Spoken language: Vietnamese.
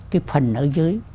cái phần ở dưới